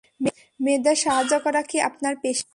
মেয়েদের সাহায্য করা কি আপনার পেশা?